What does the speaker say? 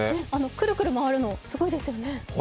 くるくる回るの、すごいですね。